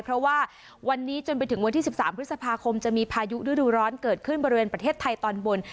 เพราะว่าวันนี้จนไปถึงวันที่๑๓พฤษภาคมจะมีพายุฤดูร้อนเกิดขึ้นบริเวณประเทศไทยตอนบน